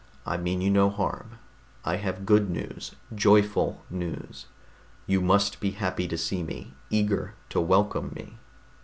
I mean you no harm. I have good news, joyful news. You must be happy to see me, eager to welcome me....